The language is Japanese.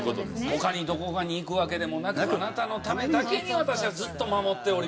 他にどこかに行くわけでもなくあなたのためだけに私はずっと守っておりましたと。